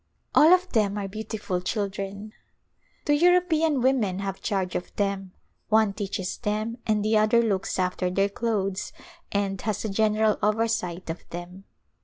All of them are beautiful children. Two European women have charge of them ; one teaches them and the other looks after their clothes and has a general oversight of them.